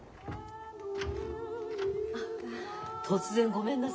突然ごめんなさい。